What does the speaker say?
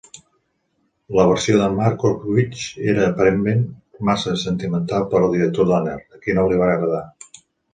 La versió de Markowitz era aparentment massa sentimental per al director Donner, a qui no li va agradar.